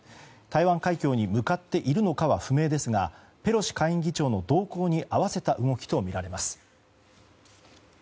台湾海峡に向かっているのかは不明ですがペロシ下院議長の動向に合わせた動きとみられます。